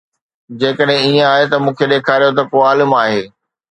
جيڪڏهن ائين آهي ته مون کي ڏيکاريو ته ڪو عالم آهي